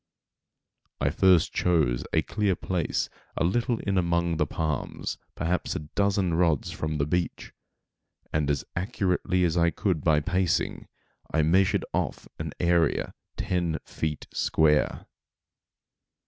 I first chose a clear place a little in among the palms, perhaps a dozen rods from the beach, and, as accurately as I could by pacing, I measured off an area ten feet square.